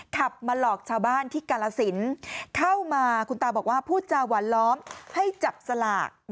ขับมาหลอกชาวบ้านที่กาลสินเข้ามาคุณตาบอกว่าพูดจาหวานล้อมให้จับสลาก